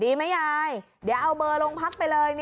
ดีไหมยายเดี๋ยวเอาเบอร์โรงพักไปเลย